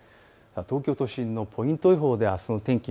東京都心のポイント予報であすの天気